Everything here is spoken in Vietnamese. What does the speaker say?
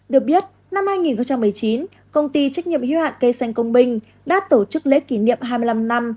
được biết năm hai nghìn một mươi chín công ty trách nhiệm hiếu hạn cây xanh công binh đã tổ chức lễ kỷ niệm hai mươi năm năm